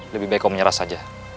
lebih baik kau menyerah saja